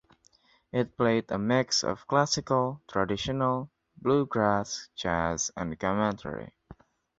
It played a mix of classical, traditional bluegrass, jazz, and commentary.